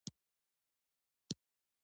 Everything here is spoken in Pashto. موږ کار کوو تر څو ښه ژوند وکړو.